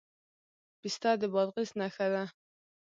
پسته د بادغیس نښه ده.